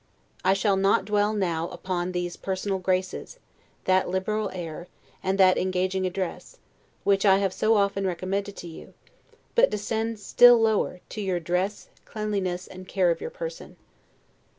I shall not dwell now upon these personal graces, that liberal air, and that engaging address, which I have so often recommended to you; but descend still lower, to your dress, cleanliness, and care of your person.